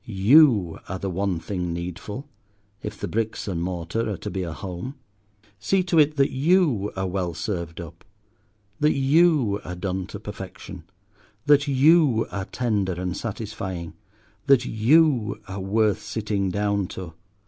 You are the one thing needful—if the bricks and mortar are to be a home. See to it that you are well served up, that you are done to perfection, that you are tender and satisfying, that you are worth sitting down to.